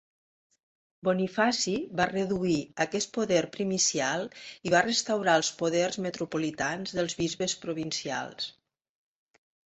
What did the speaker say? Bonifaci va reduir aquest poder primacial i va restaurar els poders metropolitans dels bisbes provincials.